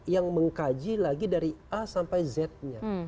yang mengkaji lagi dari a sampai z nya